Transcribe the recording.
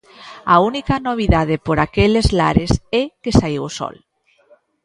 A única novidade por aqueles lares é "que saíu o sol".